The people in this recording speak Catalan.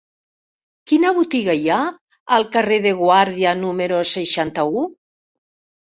Quina botiga hi ha al carrer de Guàrdia número seixanta-u?